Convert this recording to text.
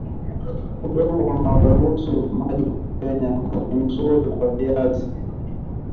udongo unaruhusu maji kupenya ni mzuri kwa viazi